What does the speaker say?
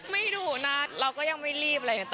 ไม่รู้นะเราก็ยังไม่รีบอะไรอย่างนี้